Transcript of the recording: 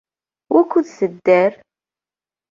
Wukud tedder?